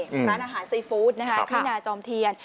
ร้านอาหารซีฟู้ดที่นาจอมเทียน